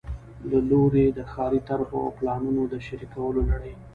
له لوري د ښاري طرحو او پلانونو د شریکولو لړۍ